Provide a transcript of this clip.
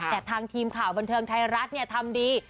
แต่ทางทีมข่าวบันเทิงไทยรัฐทำดี